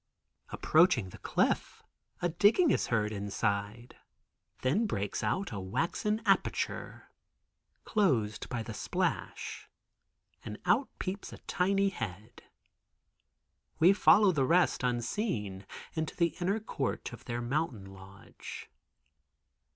Approaching the cliff a digging is heard inside. Then breaks out a waxen aperture, (closed by the splash) and out peeps a tiny head. We follow the rest, unseen, into the inner court of their mountain lodge.